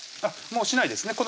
もうしないです